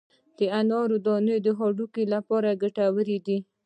د انار دانې د هډوکو لپاره ګټورې دي.